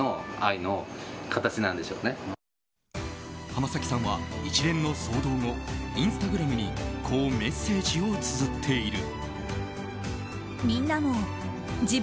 浜崎さんは一連の騒動後インスタグラムにこうメッセージをつづっている。